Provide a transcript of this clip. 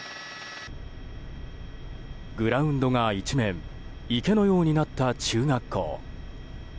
グラウンドが一面池のようになった中学校。